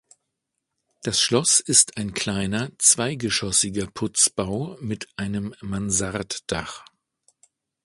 Das Schloss ist ein kleiner, zweigeschossiger Putzbau mit einem Mansarddach.